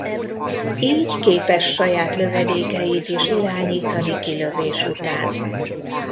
Így képes saját lövedékeit is irányítani kilövés után.